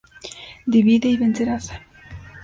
Divide y vencerás